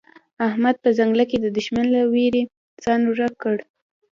احمد په ځنګله کې د دوښمن له وېرې ځان ورک کړ.